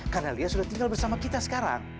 karena lia sudah tinggal bersama kita sekarang